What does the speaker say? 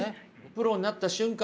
プロになった瞬間